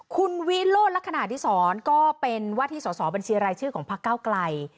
คุณวิโรธลักษณะดิสรก็เป็นว่าที่สอสอบัญชีรายชื่อของพักเก้าไกล